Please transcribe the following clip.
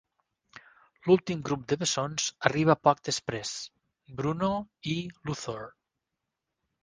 L'últim grup de bessons arriba poc després, Bruno i Luthor.